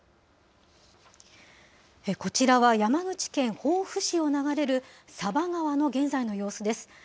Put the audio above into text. こちらは山口県防府市を流れる佐波川の現在の様子です。